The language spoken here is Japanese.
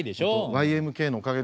ＹＭＫのおかげです。